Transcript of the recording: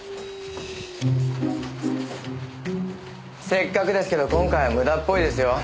せっかくですけど今回は無駄っぽいですよ。